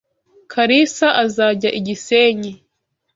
Kalisa azajya igisenyi